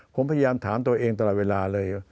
ผมพยายามถามตัวเองตลอดเวลาเลย